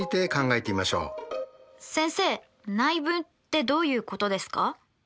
先生内分ってどういうことですか？